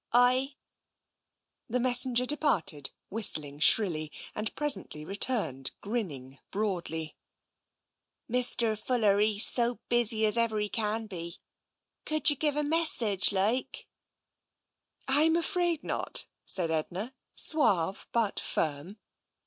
" Ay." The messenger departed, whistling shrilly, and pres ently returned grinning broadly. " Mr. Fuller, he's so busy as ever he can be. Could you give a message, like ?"" Tm afraid not,'* said Edna, suave but firm.